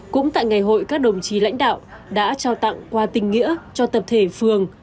cũng tại ngày hội các đồng chí lãnh đạo đã trao tặng qua tình nghĩa cho tập thể phường